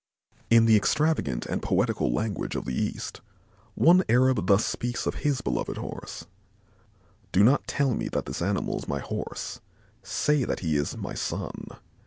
In the extravagant and poetical language of the East, one Arab thus speaks of his beloved Horse: "Do not tell me that this animal is my horse, say that he is my son.